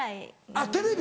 あっテレビ